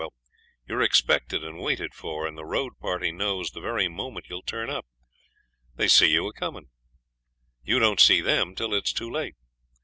Well, you're expected and waited for, and the road party knows the very moment you'll turn up. They see you a coming. You don't see them till it's too late.